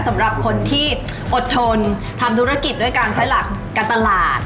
สำหรับคนที่อดทนทำธุรกิจด้วยการใช้หลักการตลาด